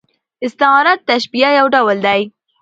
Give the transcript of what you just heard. استعاره د تشبیه یو ډول دئ.